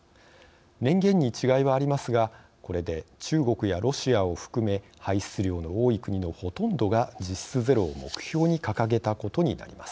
年限に違いはありますがこれで中国やロシアを含め排出量の多い国のほとんどが実質ゼロを目標に掲げたことになります。